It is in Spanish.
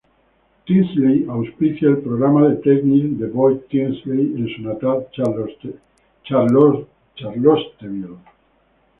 Tinsley auspicia el Programa de Tenis de Boyd Tinsley en su natal Charlottesville.